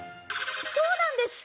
そうなんです！